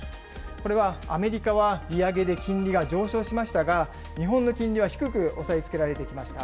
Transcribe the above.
これはアメリカは利上げで金利が上昇しましたが、日本の金利は低く押さえつけられてきました。